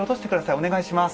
お願いします。